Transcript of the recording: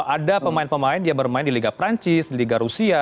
ada pemain pemain dia bermain di liga perancis di liga rusia